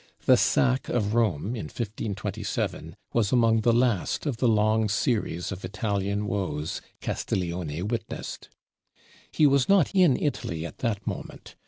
The sack of Rome in 1527 was among the last of the long series of Italian woes Castiglione witnessed. He was not in Italy at that moment.